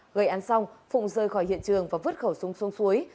gây án xong phùng rơi khỏi hiện trường và vứt khẩu súng xuống suối